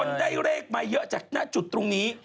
คนได้เลขมาเยอะจากหน้าจุดตรงนี้